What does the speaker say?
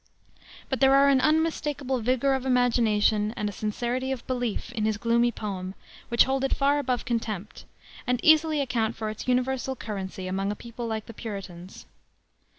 But there are an unmistakable vigor of imagination and a sincerity of belief in his gloomy poem which hold it far above contempt, and easily account for its universal currency among a people like the Puritans.